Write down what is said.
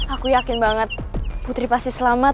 aku yakin banget putri pasti selamat